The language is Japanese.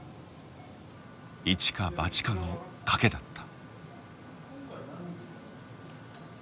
一か八かの賭けだった。